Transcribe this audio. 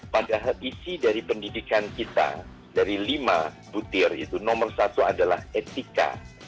padahal isi dari pendidikan kita dari lima butir itu nomor satu adalah etika